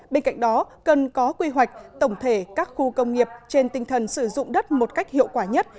bên cạnh đó cần có quy hoạch tổng thể các khu công nghiệp trên tinh thần sử dụng đất một cách hiệu quả nhất